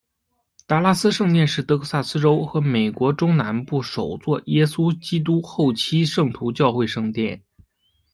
达拉斯圣殿是得克萨斯州和美国中南部首座耶稣基督后期圣徒教会圣殿。